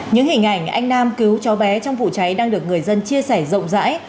những hình ảnh anh nam cứu cháu bé trong vụ cháy đang được người dân chia sẻ rộng rãi